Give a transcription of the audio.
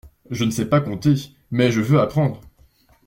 Je ne sais pas compter, mais je veux apprendre.